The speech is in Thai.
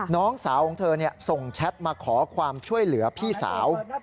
น้องสาวของเธอส่งแชทมาขอความช่วยเหลือพี่สาว